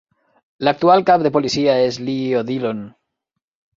L'actual cap de policia és Lee O'Dillon.